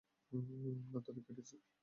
আমরা দড়ি কেটেছি।